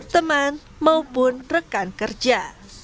teman maupun rekan kerja